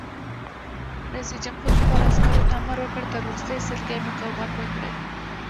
رئیس جمهور خپلو عسکرو ته امر وکړ؛ تر وروستۍ سلګۍ مقاومت وکړئ!